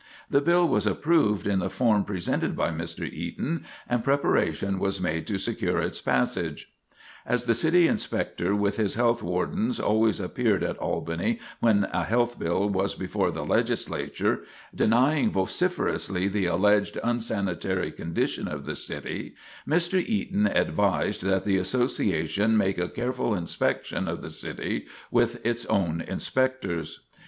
The bill was approved in the form presented by Mr. Eaton, and preparation was made to secure its passage. [Sidenote: The Fight for the Bill] As the City Inspector with his health wardens always appeared at Albany when a health bill was before the Legislature, denying vociferously the alleged unsanitary condition of the city, Mr. Eaton advised that the Association make a careful inspection of the city with its own inspectors.